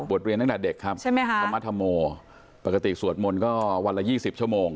สวดเรียนตั้งแต่เด็กครับธรรมธโมปกติสวดมนตร์ก็วันละ๒๐ชั่วโมง